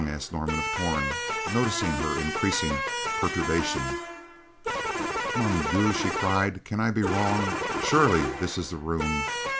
asked Norman of Torn, noticing her increasing perturbation. "Mon Dieu!" she cried. "Can I be wrong! Surely this is the room.